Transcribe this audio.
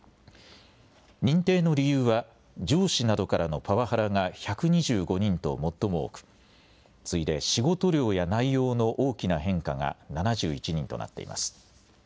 認定の理由は上司などからのパワハラが１２５人と最も多く次いで仕事量や内容の大きな変化が７１人となっています。